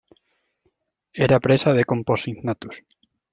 Era presa de "Compsognathus".